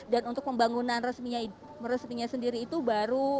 dan untuk pembangunan resminya sendiri itu baru